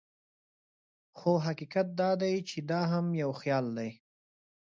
خو حقیقت دا دی چې دا هم یو خیال دی.